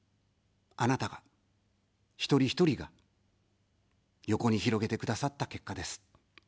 あなたが、一人ひとりが横に広げてくださった結果です。